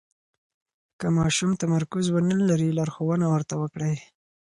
که ماشوم تمرکز ونلري، لارښوونه ورته وکړئ.